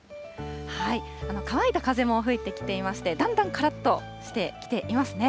乾いた風も吹いてきていまして、だんだんからっとしてきていますね。